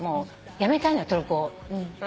やめたのよトルコ語。